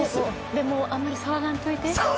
でも、あまり触らんといて。